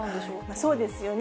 そうですよね。